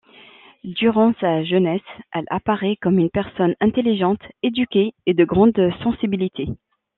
Durant sa jeunesse, elle apparaît comme une personne intelligente, éduquée et de grande sensibilité.